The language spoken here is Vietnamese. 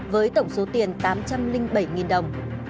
với tổng số tiền tám trăm linh bảy đồng